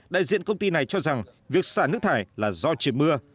đại diện công ty này cho rằng việc xả nước thải là do triệt mưa